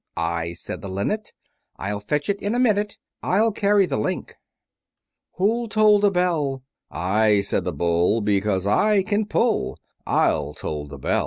I, said the Linnet, I'll fetch it in a minute, I'll carry the link. Who'll toll the bell? I, said the Bull, Because I can pull, I'll toll the bell.